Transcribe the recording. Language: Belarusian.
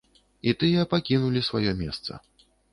І тыя пакінулі сваё месца.